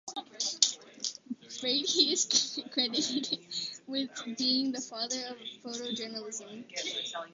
Brady is credited with being the father of photojournalism.